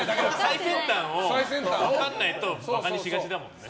最先端を分からないとバカにしがちだもんね。